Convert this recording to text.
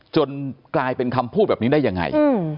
กลายเป็นคำพูดแบบนี้ได้ยังไง